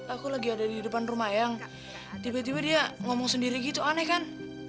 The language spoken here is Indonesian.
aku lagi ada di depan rumah yang tiba tiba dia ngomong sendiri gitu aneh kan